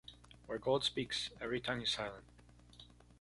Where gold speaks, every tongue is silent.